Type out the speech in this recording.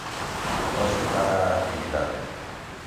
Hoxe para a actividade.